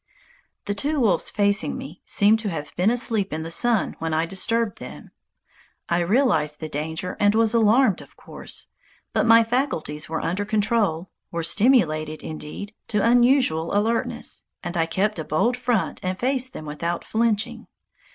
The two wolves facing me seemed to have been asleep in the sun when I disturbed them. I realized the danger and was alarmed, of course, but my faculties were under control, were stimulated, indeed, to unusual alertness, and I kept a bold front and faced them without flinching.